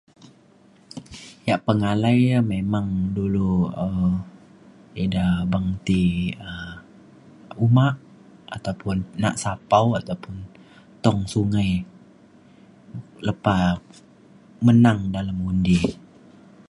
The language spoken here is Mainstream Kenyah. yak pengalai ya memang dulu um ida beng ti um uma ataupun nak sapau ataupun tong sungai lepa menang dalem ngundi